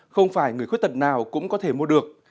không phải người khuyết tật nào cũng có thể mua được